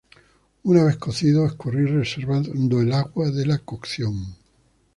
Una vez cocidos escurrir reservando el agua de la cocción.